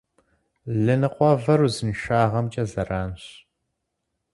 Лы ныкъуэвэр узыншагъэмкӏэ зэранщ.